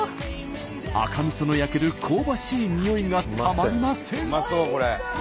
赤みその焼ける香ばしいにおいがたまりません。